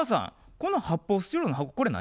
この発泡スチロールの箱これ何？」。